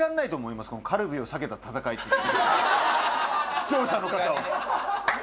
視聴者の方は。